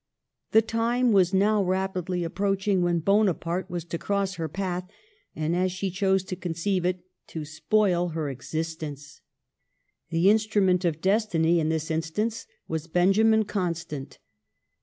The time was now rapidly approaching when Bonaparte was to cross her path, and, as she chose to conceive it, to spoil her existence. The instrument of destiny in this instance was Ben jamin Constant.